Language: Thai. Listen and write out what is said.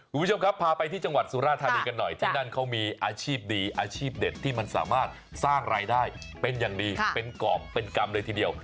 คุณผู้ชมครับพาไปที่จังหวัดสุราธานีกันหน่อยที่นั่นเขามีอาชีพดีอาชีพเด็ดที่มันสามารถสร้างรายได้เป็นอย่างดีเป็นกรอบเป็นกรรมเลยทีเดียว